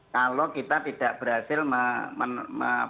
kalau kita tidak berhasil menemukan